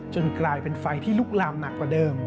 กลายเป็นไฟที่ลุกลามหนักกว่าเดิม